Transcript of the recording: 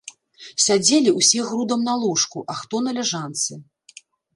Сядзелі ўсе грудам на ложку, а хто на ляжанцы.